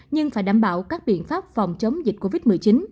nhưng phải đảm bảo các biện pháp phòng chống dịch covid một mươi chín